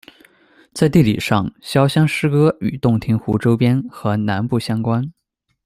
在地理上，潇湘诗歌与洞庭湖周边和南部相关。